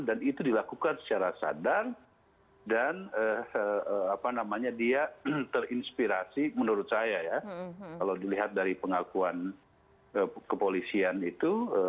dan itu dilakukan secara sadar dan dia terinspirasi menurut saya ya kalau dilihat dari pengakuan kepolisian itu